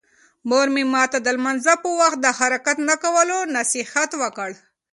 مور مې ماته د لمانځه په وخت د حرکت نه کولو نصیحت وکړ.